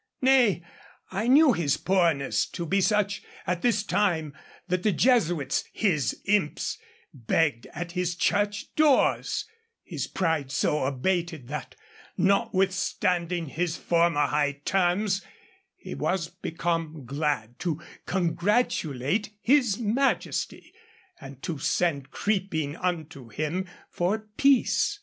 Nay, I knew his poorness to be such at this time that the Jesuits, his imps, begged at his church doors; his pride so abated that, notwithstanding his former high terms, he was become glad to congratulate his Majesty, and to send creeping unto him for peace.